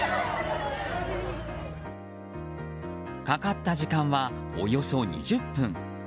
かかった時間はおよそ２０分。